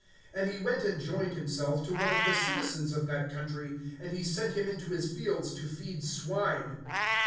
(15)And he went and joined himself to one of the citizens of that country; and he sent him into his fields to feed swine.